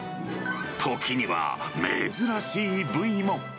時には珍しい部位も。